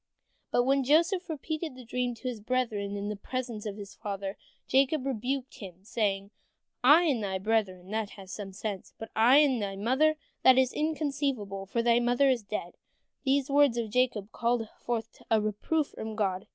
" But when Joseph repeated his dream to his brethren, in the presence of his father, Jacob rebuked him, saying, "I and thy brethren, that has some sense, but I and thy mother, that is inconceivable, for thy mother is dead." These words of Jacob called forth a reproof from God.